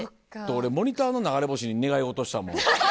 俺モニターの流れ星に願い事したもん。